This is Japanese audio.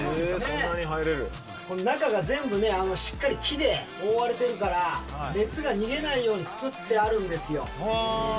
中が全部ね、しっかり木で覆われてるから、熱が逃げないように作ってあるんですよ。